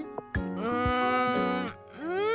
うんうん。